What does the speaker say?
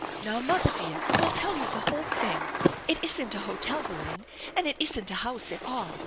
" Now, mother dear, we'll tell you the whole thing. It isn't a hotel we're in, and it isn't a house at all.